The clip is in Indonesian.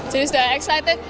jadi sudah excited